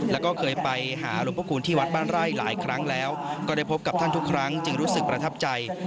แล้วก็เคยไปหาหลวงพระคูณที่วัดบ้านไร่หลายครั้งแล้วก็ได้พบกับท่านทุกครั้งจึงรู้สึกประทับใจ